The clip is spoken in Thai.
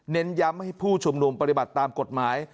ย้ำให้ผู้ชุมนุมปฏิบัติตามกฎหมาย